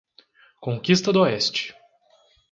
Conquista d'Oeste